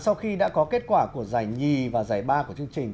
sau khi đã có kết quả của giải nhì và giải ba của chương trình